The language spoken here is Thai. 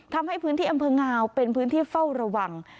ทำให้พื้นที่อำเภองาวเป็นพื้นที่เฝ้าระวัง